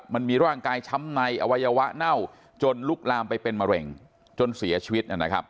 มันมีร่างกายช้ำในอวัยวะเน่าจนลุกลามไปเป็นมะเร็งจนเสียชีวิต